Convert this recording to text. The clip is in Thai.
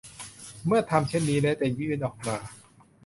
เมื่อทำเช่นนี้แล้วจะยื่นออกมา